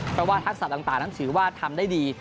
เพราะว่าทักษะต่างนั้นถือว่าทำได้ดี